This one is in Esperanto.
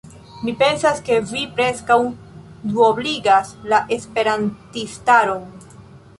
Mi pensas, ke vi preskaŭ duobligas la esperantistaron.